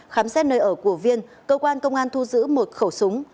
khám xét nơi ở của viên cơ quan công an thu giữ một khẩu súng